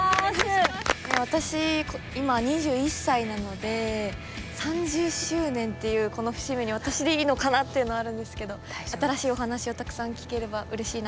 私今２１歳なので３０周年というこの節目に私でいいのかなっていうのはあるんですけど新しいお話をたくさん聞ければうれしいなと思います。